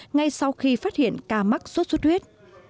ngay sau khi phát hiện ca mắc sốt xuất huyết